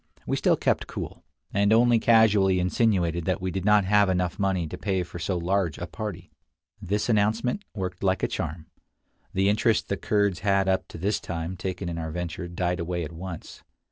We still kept cool, and only casually insinuated that we did not have enough money to pay for so large a party. This announcement worked like a charm. The interest the Kurds had up to this time taken in our venture died away at once.